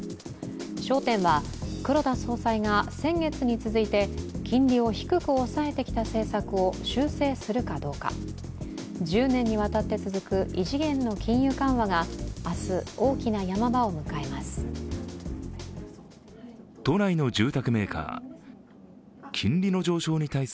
焦点は、黒田総裁が先月に続いて金利を低く抑えてきた政策を修正するかどうか、１０年にわたって続く異次元の金融緩和が明日、大きな山場を迎えます。